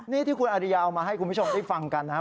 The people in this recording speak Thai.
นี่ที่คุณอริยาเอามาให้คุณผู้ชมได้ฟังกันนะครับ